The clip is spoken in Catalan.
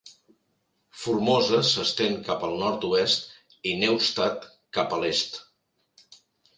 Formosa s'estén cap al nord-oest, i Neustadt cap a l'est.